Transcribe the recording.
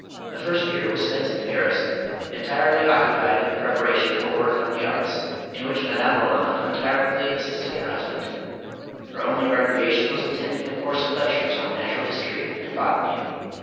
The first year was spent in Paris, entirely occupied in the preparation of a work on the arts, in which Madame Roland untiringly assisted her husband. Her only recreation was attending a course of lectures on natural history and botany.